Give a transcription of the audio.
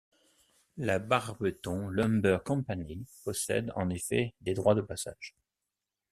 La Barberton Lumber Company possède en effet des droits de passage.